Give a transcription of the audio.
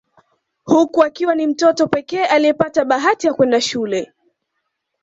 Huku akiwa ni mtoto pekee aliyepata bahati ya kwenda shule